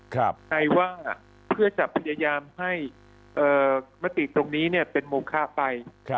ใครว่าเพื่อจะพยายามให้มติตรงนี้เป็นมูลค่าไป